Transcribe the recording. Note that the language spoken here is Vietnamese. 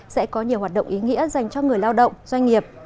sẽ có nhiều hoạt động ý nghĩa dành cho người lao động doanh nghiệp